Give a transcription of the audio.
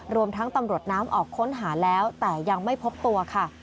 รวมทั้งตำรวจน้ำออกค้นหาแล้วแต่ยังไม่พบตัวค่ะ